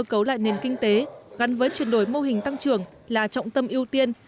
cơ cấu lại nền kinh tế gắn với chuyển đổi mô hình tăng trưởng là trọng tâm ưu tiên